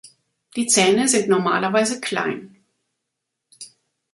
Die Zähne sind normalerweise klein.